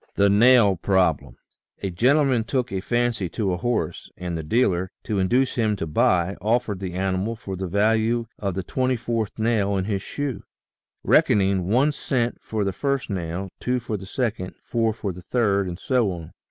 THE NAIL PROBLEM GENTLEMAN took a fancy to a horse, and the dealer, to induce him to buy, offered the animal for the value of the twenty fourth nail in his shoe, reckoning one cent for the first nail, two for the second, four for the third, and so on.